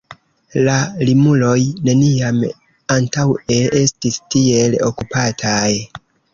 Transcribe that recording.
La Limuloj neniam antaŭe estis tiel okupataj.